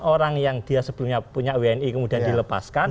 orang yang dia sebelumnya punya wni kemudian dilepaskan